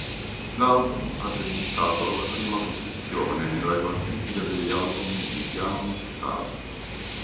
L'album ha debuttato alla prima posizione nella classifica degli album di Gaon Chart.